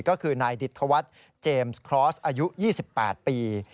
ก็คือนายดิตธวัฒน์เจมส์คลอสอายุ๒๘ปี